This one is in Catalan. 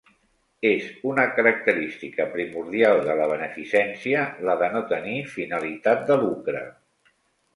És una característica primordial de la beneficència la de no tenir finalitat de lucre.